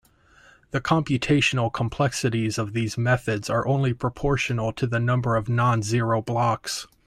The computational complexities of these methods are only proportional to the number of non-zero blocks.